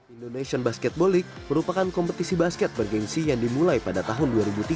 indonesian basketball league merupakan kompetisi basket bergensi yang dimulai pada tahun dua ribu tiga